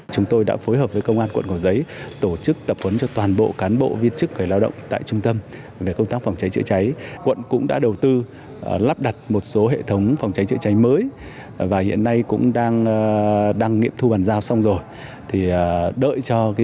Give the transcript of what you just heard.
cho đội ngũ cán bộ công nhân viên tại đây